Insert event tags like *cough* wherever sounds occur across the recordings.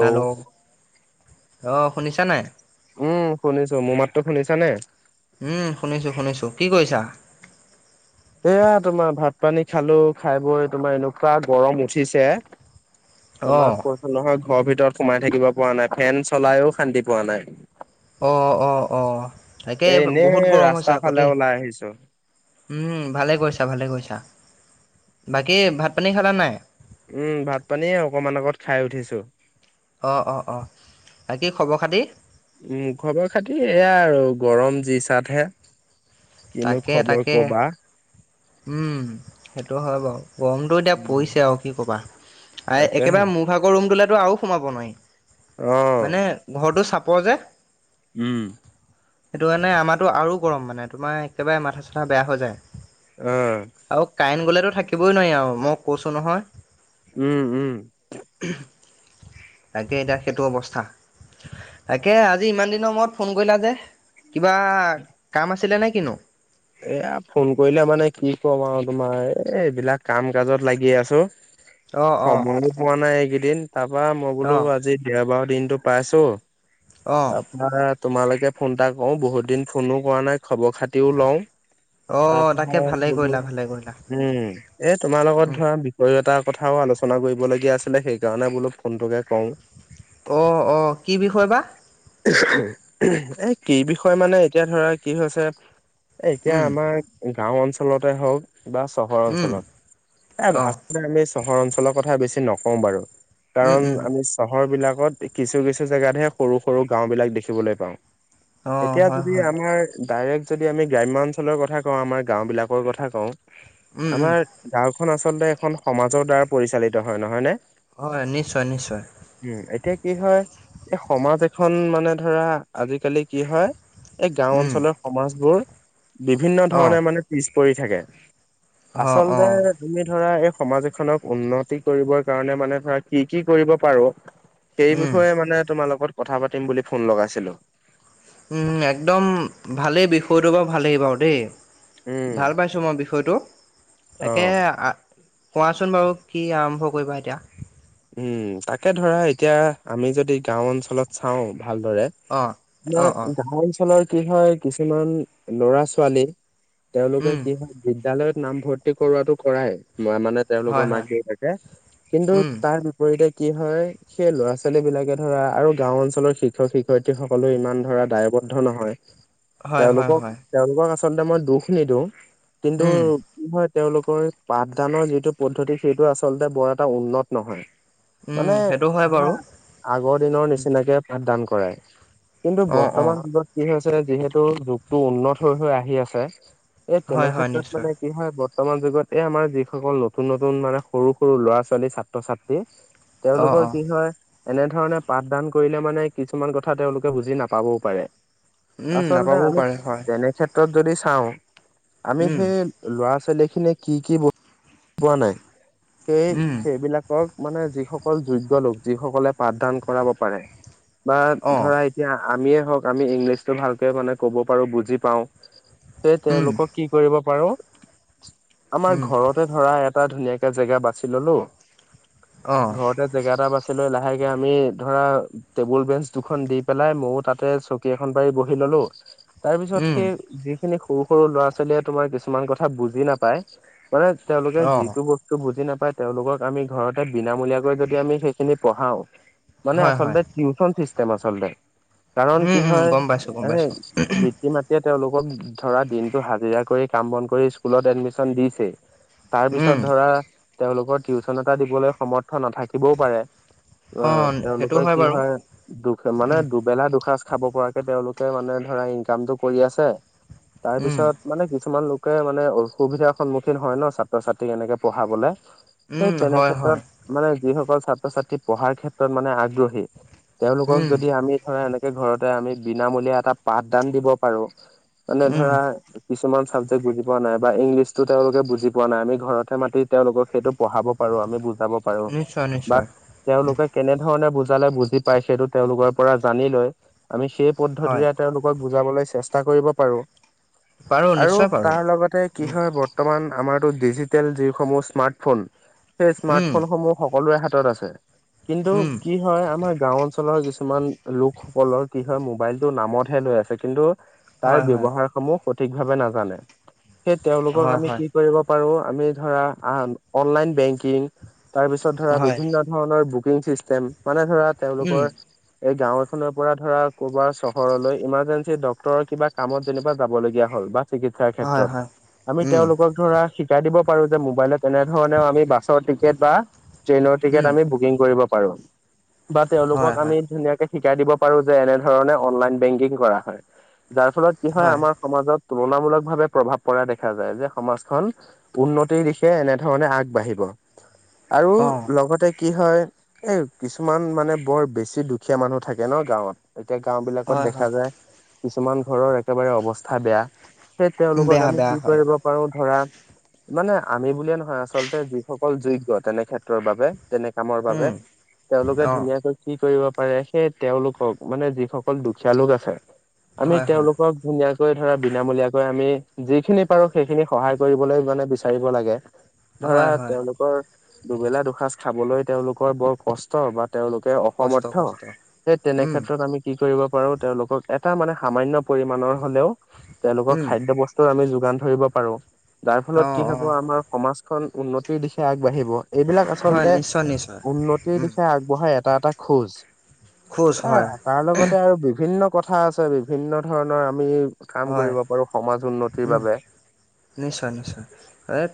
Hello, অহ, শুনিছা নাই? উম, শুনিছোঁ। মোৰ মাতটো শুনিছা নে? উম, শুনিছোঁ, শুনিছোঁ কি কৰিছা? এয়া তোমাৰ ভাত-পানী খালো, খাই বৈ তোমাৰ এনেকুৱা গৰম উঠিছে। অ তোমাক কৈছোঁ নহয়, ঘৰৰ ভিতৰত সোমাই থাকিব পৰা নাই, ফেন চলাইও শান্তি পোৱা নাই। অ, অ, অ, তাকে এ এনেই বহুত গৰম হৈছে ৰাস্তাৰ আকৌ ফালে দেই। ওলাই আহিছো ভালে কৰিছা, ভালে কৰিছা। বাকী ভাত-পানী খালা নে নাই? উম, ভাত-পানীয়ে অকমান আগত খাই উঠিছোঁ। অ, অ, অ, বাকি খবৰ খাতি? উম, খবৰ খাতি এয়াই আৰু গৰম জি, চাতহে। কিনো তাকে খবৰ তাকে কবা। উম, সেইটো হয় বাৰু। গৰমটো এতিয়া পৰিছে আৰু কি ক'বা, আ, তাকে একেবাৰে মোৰভাগৰ ৰুমটোলেতো আৰু সোমাব অ নোৱাৰি। মানে ঘৰটো চাপৰ যে। উম, সেইটো কাৰণে আমাৰতো আৰু গৰম মানে তোমাৰ একেবাৰে মাথা-চাথা বেয়া হৈ যায়। অ, আৰু কাৰেন্ট গ'লে তো, থাকিবই নোৱাৰি আৰু মই কৈছোঁ নহয়। উম, উম, *unintelligible* তাকে এতিয়া সেইটো অৱস্থা, তাকে আজি ইমান দিনৰ মূৰত ফোন কৰিলা যে। কিবা কাম আছিলে নে, কিনো? এয়া, ফোন কৰিলে মানে কি কম আৰু তোমাৰ এ, এইবিলাক কাম-কাজত লাগি আছো। অ অ সময়ো পোৱা নাই, এইকেইদিন তাৰপা মই অ বোলো আজি দেওবাৰ দিনতো পাইছো, অ তা তোমালৈকে ফোন এটা কৰোঁ, বহুত দিন ফোনো কৰা নাই খবৰ-খাতিও লওঁ। অ *inaudible* তাকে ভালেই কৰিলা ভালে কৰিলা উম, এ, তোমাৰ লগত উম ধৰা বিষয় এটাৰ কথাও আলোচনা কৰিবলগীয়া আছিলে, সেইকাৰণে বোলোঁ ফোনটোকে কৰোঁ। অ, অ, কি বিষয় বা? এই কি বিষয় মানে, এতিয়া ধৰা কি হৈছে এই এতিয়া উম আমাৰ গাঁও অঞ্চলতে হ'ওক বা চহৰ উম অঞ্চলত অ এই আমি চহৰ অঞ্চলৰ কথা বেছি নকওঁ বাৰু, উম কাৰণ উম আমি চহৰ বিলাকত কিছু, কিছু, জেগাতহে সৰু সৰু গাওঁ বিলাক দেখিবলৈ পাওঁ। অ এতিয়া হয় যদি, হয় আমাৰ ডাইৰেক্ট যদি আমি গ্ৰাম্য অঞ্চলৰ কথা কওঁ, আমাৰ গাঁওবিলাকৰ কথা কওঁ, উম উম আমাৰ গাঁওখন আচলতে এখন সমাজৰ দ্বাৰা পৰিচালিত হয়, নহয় নে? হয়, নিশ্চয় নিশ্চয়। উম এতিয়া কি হয় এই সমাজ এখন মানে ধৰা আজিকালি কি হয় এই গাঁও উম অঞ্চলত সমাজ বোৰ বিভিন্ন অ ধৰণে মানে পিছ পৰি থাকে। অ অ আচলতে আমি ধৰা এই সমাজ এখনক উন্নতি কৰিবৰ কাৰণে মানে ধৰা কি কি কৰিব পাৰোঁ। সেই উম বিষয়ে মানে তোমাৰ লগত কথা পাতিম বুলি ফোন লগাইছিলো। উম একদম ভালেই বিষয়টো বাৰু ভালেই বাৰু দেই। উম, ভাল পাইছোঁ মই বিষয়টো। তাকে অ'। আ কোৱাচোন বাৰু কি আৰম্ভ কৰিবা এতিয়া? উম তাকে ধৰা এতিয়া আমি যদি গাঁও অঞ্চলত চাওঁ ভালদৰে অঁ আমাৰ অঁ অঁ গাঁও অঞ্চলৰ কি হয় কিছুমান লৰা ছোৱালী তেওঁলোকে উম কি হয় বিদ্যালয়ত নাম ভৰ্তি কৰোৱাটো কৰাই, মানে তেওঁলোকৰ হয় মাক হয় দেউতাকে কিন্তু উম তাৰ বিপৰীতে কি হয় সেই ল'ৰা ছোৱালী বিলাকে ধৰা আৰু গাঁও অঞ্চলৰ শিক্ষক শিক্ষয়িত্ৰী সকলেও ইমান ধৰা দায়বদ্ধ নহয়। হয় হয় তেওঁলোকক হয় তেওঁলোকক আচলতে মই দুখ নিদিওঁ কিন্তু উম কি হয় তেওঁলোকৰ পাঠদানৰ যিটো পদ্ধতি সেইটো আচলতে বৰ এটা উন্নত নহয়। উম মানে সেইটো হয় বাৰু আগৰ দিনৰ নিচিনাকে পাঠদান কৰাই কিন্তু অঁ অঁ বৰ্তমান সময়ত কি হৈছে যিহেতু যুগটো উন্নত হৈ হৈ আহি আছে, এই তেনে হয় হয় ক্ষেত্ৰত নিশ্চয় মানে কি হয় বৰ্তমান যুগত এই আমাৰ যিসকল নতুন নতুন মানে সৰু সৰু ল'ৰা ছোৱালী ছা ত্ৰ ছাত্ৰী, অঁ তেওঁলোকৰ অঁ কি হয় এনে ধৰণে পাঠদান কৰিলে মানে কিছুমান কথা তেওঁলোকে বুজি নাপাবও পাৰে। উম আচলতে নাপাবও আমি পাৰে হয় তেনে ক্ষেত্ৰত যদি চাওঁ আমি উম সেই ল'ৰা ছোৱালী খিনি কি কি বুজি পোৱা নাই সেই উম সেইবিলা কৰ মানে যিসকল যোগ্য লোক যিসকলে পাঠদান কৰাব পাৰে, বা অঁ ধৰা এতিয়া আমিয়ে হওঁক আমি ইংলিছটো ভালকে মানে ক'ব পাৰো বুজি পাওঁ, সেই উম তেওঁলোকক কি কৰিব পাৰো আমাৰ উম ঘৰতে ধৰা এটা ধুনীয়াকে জেগা বাছি ললো। অঁ ঘৰতে জেগা এটা বাচি লৈ লাহেকে আমি ধৰা টেবুল বেঞ্চ দুখন দি পেলাই মইও তাতে চকী এখন পাৰি বহি ললো। তাৰপিছত উম সেই যিখিনি সৰু সৰু ল'ৰা ছোৱালীয়ে তোমাৰ কিছুমান কথা বুজি নাপায়। মানে তেওঁলোকে অঁ যিটো বস্তু বুজি নাপায় তেওঁলোকক আমি ঘৰতে বিনামূলীয়াকৈ যদি আমি সেইখিনি পঢ়াও। মানে হয় হয় আচলতে টিউচন চিষ্টেম আচলতে কাৰণ, উম কি উম হয় গম পাইছোঁ গম পাইছোঁ এ পিতৃ মা- তৃয়ে এতিয়া তেওঁলোকক ধৰা দিনটো হাজিৰা কৰি কাম বন কৰি স্কুলত এডমিচন দিছে। তাৰপিছত উম ধৰা তেওঁওলোকৰ টিউচন এটা দিবলৈ সমৰ্থ নাথাকিবও পাৰে। অঁ তেওঁলোকে কি হয় দু মানে উম দু বেলা দুসাঁজ খাব পৰাকে তেওঁলোকে মানে ধৰা ইনকামটো কৰি আছে। উম তাৰপিছত মানে কিছুমান লোকে মানে অসুবিধাৰ সন্মুখীন হয় ন, ছাত্ৰ ছাত্ৰীক এনেকে পঢ়াবলৈ। সেই উম তেনে হয় ক্ষেত্ৰত হয় মানে, যিসকল ছাত্ৰ ছাত্ৰী পঢ়াৰ ক্ষেত্ৰত মানে আগ্ৰহী তেওঁলোকক উম যদি আমি ধৰা এনেকে ঘৰতে আমি বিনামূলীয়া এটা পাঠদান দিব পাৰো। মানে উম ধৰা। কিছুমান চাব্জেক্ট বুজি পোৱা নাই বা ইংলিছতো তেওঁলোকে বুজি পোৱা নাই আমি ঘৰতে মাতি তেওঁলোকক সেইটো পঢ়াব পাৰো আমি বুজাব পাৰো নিশ্চয় বা নিশ্চয় উম, তেওঁলোকে কেনে ধৰণে বুজালে বুজি পাই, সেইটো তেওঁলোকৰ পৰা জানি লৈ আমি সেই হয় পদ্ধতিৰে তেওঁলোকক বুজাবলৈ চেষ্টা কৰিব পাৰো। পাৰোঁ আৰু নিশ্চয় পাৰোঁ তাৰ লগতে কি উম হয় ব ৰ্তমান আমাৰতো ডিজিটেল যিসমূহ স্মাৰ্টফোন। সেই স্মাৰ্ট উম ফোনসমূহ সকলোৰে হাতত আছে। কিন্তু উম। কি হয় আমাৰ গাওঁ - লৰা কিছুমান লোকসকলৰ কি হয় মোবাইলটো নামতহে লৈ আছে। কিন্তু তাৰ হয় হয় ব্যৱহাৰ সমূহ সঠিক ভাৱে নাজানে। সেই তেওঁওলোকক হয় আমি হয় কি কৰিব পাৰো। আমি ধৰা অ'নলাইন বেংকিং, তাৰপিছত ধৰা হয় বিভিন্ন ধৰণৰ বুকিং চিষ্টেম, মানে ধৰা উম তেওঁলোকৰ- এই গাঁও এখনৰ পৰা ধৰা ক'ৰবাৰ চহৰলৈ ইমাৰ্জেঞ্চি ডক্তৰৰ কিবা কামত যেনিবা যাব লগগীয়া হ'ল বা চিকিৎসাৰ হয় হয় ক্ষেত্ৰত। আমি উম তেওঁলোকক ধৰা শিকাই দিব পাৰো যে মোবাইলত এনে ধৰণেও আমি বাছৰ টিকেট বা ট্ৰেইনৰ উম টিকেট আমি বুকিং কৰিব পাৰো। বা হয় তেওঁলোকক হয় আমি ধুনীয়াকে শিকাই দিব পাৰো যে এনেধৰণে অনলাইন বেংকিং কৰা হয়। যাৰ ফলত কি হয় আমাৰ সমাজত তুলনামূলক ভাৱে প্ৰভাৱ পৰা দেখা যায়। যে সমাজখন উন্নতিৰ দিশে এনে ধৰণে আগবাঢ়িব। আৰু অ লগতে কি হয় এই কিছুমান মানে বৰ বেছি দুখীয়া মানুহ থাকে ন গাঁৱত। এতিয়া গাওঁ বিলাকত হয় দেখা হয় যায় কিছুমান ঘৰৰ একেবাৰে অৱস্থা বেয়া। সে তেওঁলোকক বেয়া আমি বেয়া কি হয় কৰিব পাৰো ধৰা মানে আমি বুলিয়ে নহয় হয়ঁ আচলতে যিসকল যোগ্য। তেনে ক্ষেত্ৰৰ বাবে তেনে কামৰ বাবে উম তেওঁলোকে অ ধুনীয়াকৈ- কি কৰিব পাৰে সেই তেওঁলোকক, মানে যিসকল দুখীয়া লোক আছে। আমি হয় হয় তেওঁলোকক ধুনীয়াক কৈ ধৰা বিনামূলীয়াকৈ আমি যিখিনি পাৰো সেইখিনি সহায় কৰিবলৈ মানে বিচাৰিব লাগে। ধৰা হয় হয় তেওঁলোকৰ দুবেলা দুসাঁজ খাবলৈ তেওঁলোকৰ বৰ কষ্ট বা- তেওঁলোকে কষ্ট অসমৰ্থ। কষ্ট সেই উম তেনেক্ষ্ষেত্ৰত আমি কি কৰিব পাৰো তেওঁলোকক এটা মানে সামান্য পৰিমণৰ হলেওঁ তেওঁলোকৰ উম খাদ্য বস্তু টো আমি যোগান ধৰিব পাৰো, যাৰ ফলত অ কি অ হ'ব আমাৰ সমাজখন উন্নতিৰ দিশে আগবাঢ়িব। এইবিলাক হয় আচলতে নিশ্চয় নিশ্চয় উন্নতিৰ উম দিশে আগবঢ়াই- এটা এটা খোজ খোজ এ হয় তাৰ লগত ততে আৰু বিভিন্ন কথা আছে। বিভিন্ন ধৰণৰ আমি কাম হয় কৰিব পাৰো সমাজ উন্নতিৰ উম বাবে। নিশ্চয় নিশ্চয়।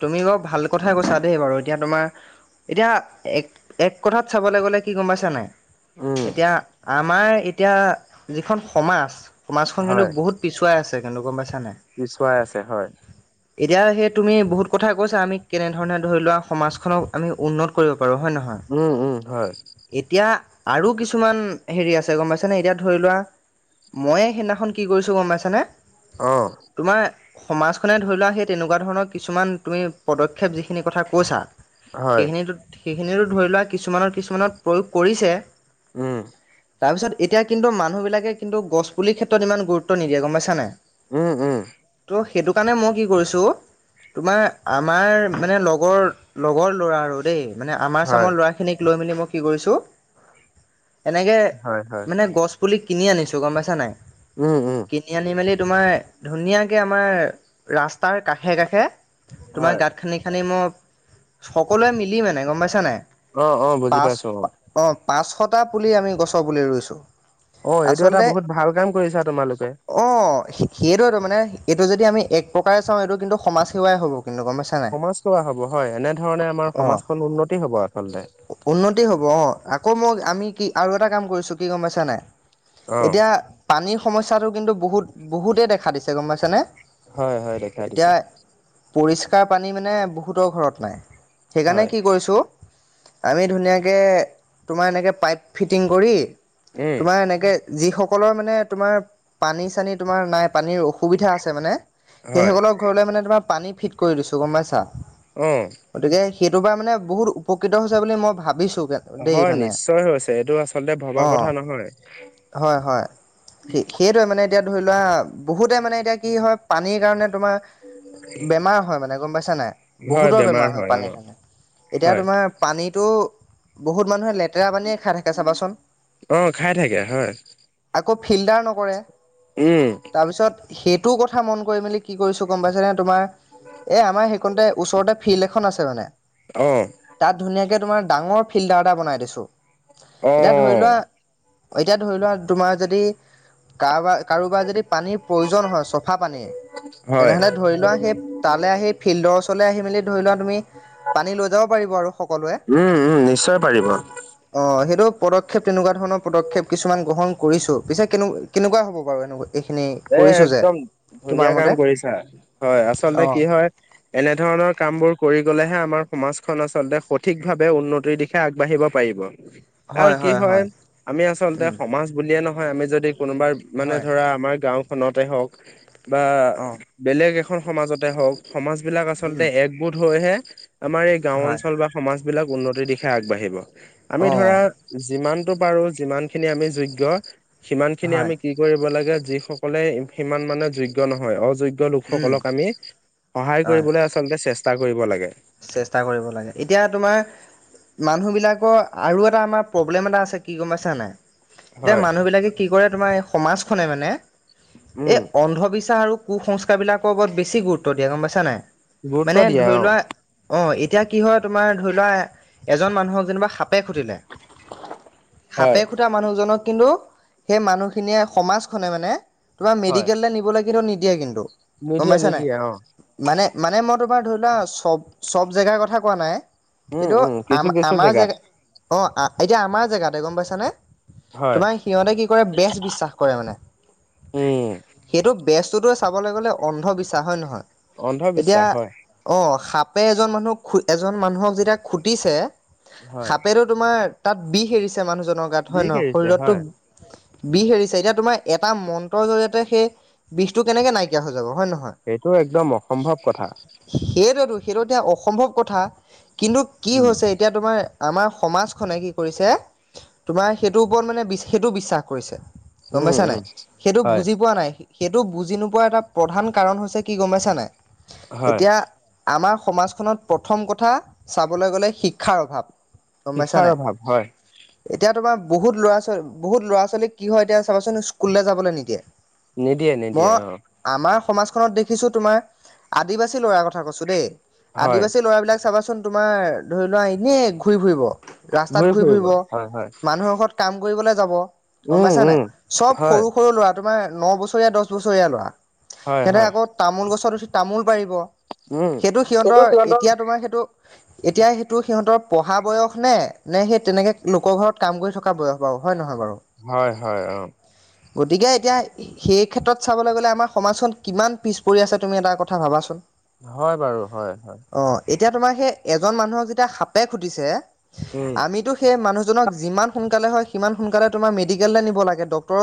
তুমি ব ভাল কথাাই কৈছা দেই বাৰু, এতিয়া তোমাৰ এতিয়া এক এক কথাত চাবলৈ গ'লে কি গম পাইছা নাই। উম। এতিয়া আমাৰ এতিয়া যিখন সমাজ, সমাজখন কিন্তু হয় বহুত পিছুৱাই আছে কিন্তু গম পাইছা নাই। পিছুৱাই আছে হয়। এতিয়া সেই তুমি বহুত কথা কৈছা। আমি কেনেধৰণে ধৰি লোৱা সমাজখনক আমি উন্নত কৰিব পাৰোঁ হয়ঁ নহয়। উমঁ উমঁ হয়। এতিয়া আৰু কিছুমান হেৰি আছে গম পাইছে নে এতিয়া ধৰি লোৱা মই সেইদিনাখন কি কৰিছো গম পাইছানে? অঁ! তোমাৰ সমাজখনে ধৰি লোৱা সেই তেনেকুৱা ধৰণৰ কিছুমান তুমি পদক্ষেপ যিখিনি কথা কৈছা। হয়। সেইখিন সেইখিনিতো ধৰি লোৱা কিছুমানৰ কিছুমানত প্ৰয়োগ কৰিছে। উমঁ! তাৰপিছত এতিয়া কিন্তু মানুহ বিলাকে কিন্তু গছ পুলিৰ ক্ষেত্ৰত ইমান গুৰুত্ব নিদিয়ে গম পাইছানই। উমঁ উমঁ! ত সেইটো কাৰণে মই কি কৰিছোঁ- তোমাৰ আমাৰ মানে লগৰ লগৰ ল'ৰা আৰু দেই- মানে আমাৰ হয় চামৰ ল'ৰা খিনিক লৈ মেলি মই কি কৰিছোঁ এনেকে হয় হয়। মানে গছ পুলি কিনি আনিছো গম পাইছা নাই। উম উম। কিনি আনি মেলি তোমাৰ ধুনীয়াকৈ আমাৰ ৰাস্তাৰ কাষে কাষে, তোমাৰ হয়। গাত। খানি খানি মই সকলোৱে মিলি মানে গম পাইছা নাই। অ' অ' বুজি পাঁচ। পাইছো পা অ পাঁচশটা পুলি আমি গছৰ পুলি ৰুইছো। অহ এইটো এটা বহুত ভাল কাম কৰিছা তোমালোকে। অহ সেইৱেটো মানে এইটো যদি আমি এক প্ৰকাৰে চাওঁ এইটো কিন্তু সমাজ সেৱাই হ'ব কিন্তু গম পাইছা। নাই সমাজ সেৱা হব হয় এনেধৰণে আমাৰ অঁ সমাজখন উন্নতি হব আচলতে। উন্নতি হ'ব অহ আকৌ মই আমি কি আৰু এটা কাম কৰিছো কি গম পাইছা নাই। অ' এতিয়া পানীৰ সমস্যাটো কিন্তু বহুত বহুতেই দেখা দিছে গম পাইছানে। হয় হয় দেখা দিছে। এতিয়া পৰিষ্কাৰ পানী মানে বহুতৰ ঘৰত নাই হয় সেইকাৰণে কি কৰিছো। আমি ধুনীয়াকে তোমাৰ এনেকে পাইপ ফিটিং কৰি। উম তোমাৰ এনেকে যিসকলৰ মানে তোমাৰ। পানী -চানী তোমাৰ নাই পানীৰ অসুবিধা আছে মানে হয় সেইসকলক। ঘৰলে মানে তোমাৰ পানী ফিট কৰি দিছো গম পাইছা। উম। গতিকে সেইটো পৰা মানে বহুত উপকৃত হৈছে বুলি মই ভাবিছোঁ। দেই হয় মানে নিশ্চয় হৈছে এইটো আচলতে ভবা কথা অঁ নহয়। হয় হয়। সেই সেইটোৱে মানে এতিয়া ধৰি লোৱা বহুতে মানে এতিয়া কি হয় পানীৰ কাৰণে তোমাৰ। বেমাৰ হয় মানে গম পাইছা নাই বহুতৰ বেমাৰ হয় পানীৰ কাৰণে এতিয়া হয় তোমাৰ। পানীটো বহুত মানুহে লে তেৰা পানী খাই থাকে চাবা চোন, অ খাই থাকে হয় আকৌ ফিল্টাৰ ন উম। তাৰপিছত সেইটো কথা মন কৰি মেলি। কি কৰিছোঁ গম পাইছানে তোমাৰ এই আমাৰ সেইকণতে ওচৰতে ফিল্ড এখন আছে মানে। অ তাত ধুনীয়াকে তোমাৰ ডাঙৰ ফিল্টাৰ এটা বনাই দিছোঁ অ এতিয়া ধৰি লোৱা। এতিয়া ধৰি লোৱা তোমাৰ যদি। কাবা কাৰোবাৰ যদি পানীৰ প্ৰয়োজন হয় চফা পানীৰ। হয় তেনেহ'লে ধৰি লোৱা সেই তালৈ আহি ফিল্ডৰ ওচৰলে আহি মেলি ধৰি লোৱা তুমি। পানী লৈ যাব পাৰিব আৰু সকলোৱে। উম উম নিশ্চয় পাৰিব অহ সেইটো পদক্ষেপ তেনেকুৱা ধৰণৰ পদক্ষেপ কিছুমান গ্ৰহণ কৰিছোঁ পিছে কেনে কেনেকুৱা হ'ব বাৰু এনেকুৱা এইখিনি। এ কৰিছোঁ যে একদম তোমাৰ ধুনীয়া কাম মতে কৰিছা হয় আচলতে অ' কি হয়। এনেধৰণৰ কাম বোৰ কৰি গলেহে আমাৰ সমাজখন আচলতে সঠিক ভাৱে উন্নতিৰ দিশ। এ আগবাঢ়িব পাৰিব। আৰু কি হয়। আমি আচলতে উম সমাজ বুলিয়ে নহয়, আমি যদি কোনোবাৰ মানে হয় ধৰা আমাৰ! গাঁওখনতে হওঁক বা অ' বেলেগ এখন সমাজতে হওঁক! সমাজ বিলাক আচলতে উম একগোট হৈহে আমাৰ এই গাও হয় অঞ্চল বা! সমাজ বিলাক উন্নতিৰ দিশে আগবাঢ়িব। আমি অ' ধৰা! যিমানটো পাৰোঁ যিমান খিনি আমি যোগ্য। সিমান খিনি হয় আমি কি কৰিব লাগে, যি সকলে সিমান মানে যোগ্য নহয় অযোগ্য উম লোকসকলৰ আমি সহায় হয় কৰিবলৈ আ! আচলতে চেষ্টা কৰিব লাগে। চেষ্টা কৰিব লাগে, এতিয়া তোমাৰ মানুহ বিলাকৰ আৰু এটা আমাৰ প্ৰব্লেম এটা আছে, কি গম পাইছানে নাই? এতিয়া হয়। মানুহ বিলাকে কি কৰে, তোমাৰ এই সমাজখনে মানে, এই উম অন্ধবিশ্বাস আৰু কুসংস্কাৰবিলাকৰ ওপৰত বেছি গুৰুত্ব দিয়ে গম পাইছা নাই, গুৰুত্ব মানে দিয়ে ধৰি অ। লোৱা অ', এতিয়া কি হয় তোমাৰ ধৰি লোৱা, এজন মানুহক যেনিবা সাপে খুটিলে সাপে হয়। খুটা মানুহজনক কিন্তু, সেই মানুহখিনিয়ে সমাজখনে মানে, তোমাৰ হয়। মেডিকেললে নিবলে কিন্তু নিদিয়ে কিন্তু, গম নিদিয়ে পাইছা নাই, নিদিয়ে অ। মানে মানে মই তোমাৰ ধৰি লোৱা চব চব জেগাৰ কথা কোৱা নাই, উম কিন্তু উম কিছু আম কিছু আমাৰ জেগাত জেগা অ', এতিয়া আমাৰ জেগাতে গম পাইছানে? হয় তোমাৰ সিহঁতে কি কৰে, বেচ বিশ্বাস কৰে মানে। উম সেইটো বেচটোটো চাবলৈ গ'লে, অন্ধবিশ্বাস হয় নে নহয়? এতিয়া অন্ধবিশ্বাস, হয়। অ', সাপে এজন মানুহক, এজন মানুহক যেতিয়া খুটিছে হয় সাপেটোত তোমাৰ তাত বিষ এৰিছে মানুহজনৰ গাত, হয় বিষ নে নহয় এৰিছে শৰীৰততো হয় বিষ এৰিছে, এতিয়া তোমাৰ এটা মন্ত্ৰৰ জৰিয়তে সেই বিষটো কেনেকে নাইকিয়া হৈ যাব হয় নে নহয়? সেইটো একদম অসম্ভৱ কথা। সেইটোতো সেইটো এতিয়া অসম্ভৱ কথা, কিন্তু কি উম হৈছে এতিয়া তোমাৰ আমাৰ সমাজখনে কি কৰিছে, তোমাৰ সেইটোৰ ওপৰত মানে, সেইটো বিশ্বাস কৰিছে। গম উম পাইছা উম নাই, সেইটো হয় বুজি পোৱা নাই। সেইটো বুজি নোপোৱা এটা প্ৰধান কাৰণ হৈছে কি গম পাইছা নাই, হয় এতিয়া আমাৰ সমাজখনত প্ৰথম কথা চাবলৈ গ'লে শিক্ষাৰ অভাৱ। গম পাইছা শিক্ষাৰ নাই? অভাৱ হয় এতিয়া তোমাৰ বহুত ল'ৰা ছোৱা, বহুত ল'ৰা ছোৱালীক কি হয়, এতিয়া চাবাচোন স্কুললৈ যাবলৈ নিদিয়ে। নিদিয়ে নিদিয়ে, মই অ'। আমাৰ সমাজখনত দেখিছো তোমাৰ, আদিবাসী ল'ৰাৰ কথা কৈছো দেই। হয় আদিবাসী ল'ৰাবিলাক চাবাচোন তোমাৰ, ধৰি লোৱা এনেই ঘূৰি ফুৰিব। ৰাস্তাত ঘূৰি ফুৰিব, মানুহৰ ঘৰত কাম কৰিবলে যাব, গম উম পাইছানে নাই, উম চব হয় সৰু সৰু ল'ৰা তোমাৰ ন বছৰীয়া দহ বছৰীয়া ল'ৰা, হয় সিহঁতে হয় আকৌ তামোল গছত উঠি তামোল পাৰিব। সেইটো সিহঁতৰ এতিয়া তোমাৰ সেইটো এতিয়া সেইটো সিহঁতৰ পঢ়া বয়স নে, নে সেই তেনেকৈ লোকৰ ঘৰত কাম কৰি থকা বয়স, বাৰু হয় নে নহয় বাৰু? হয় হয়, অ'। গতিকে এতিয়া সেই ক্ষেত্ৰত চাবলৈ গ'লে, আমাৰ সমাজখন কিমান পিছ পৰি আছে, তুমি এটা কথা ভাবাচোন। হয় বাৰু, হয় হয়। অ', এতিয়া তোমাৰ সেই এজন মানুহক যেতিয়া সাপে খুটিছে, উম আমিতো সেই মানুহজনক যিমান সোনকালে হয়, সিমান সোনকালে তোমাৰ মেডিকেললে নিব লাগে, ডক্টৰ